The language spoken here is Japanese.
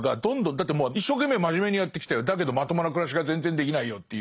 だってもう一生懸命真面目にやってきたよだけどまともな暮らしが全然できないよっていう。